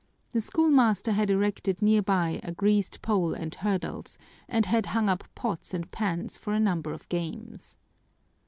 The schoolmaster had erected near by a greased pole and hurdles, and had hung up pots and pans for a number of games.